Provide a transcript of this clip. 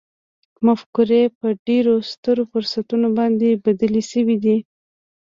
مفکورې په ډېرو سترو فرصتونو باندې بدلې شوې دي